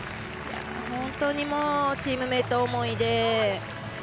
本当にチームメート思いで。